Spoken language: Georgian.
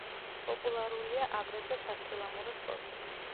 პოპულარულია აგრეთვე სათხილამურო სპორტი.